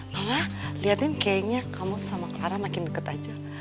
mama liatin kayaknya kamu sama clara makin deket aja